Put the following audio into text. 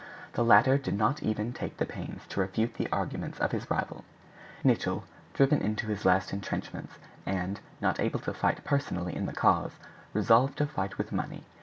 The latter did not even take the pains to refute the arguments of his rival. Nicholl, driven into his last entrenchments, and not able to fight personally in the cause, resolved to fight with money.